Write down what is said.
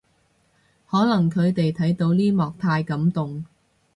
可能佢哋睇到呢幕太感動